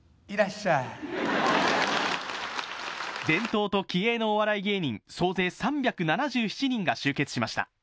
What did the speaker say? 伝統と気鋭のお笑い芸人総勢３７７人が集結しました。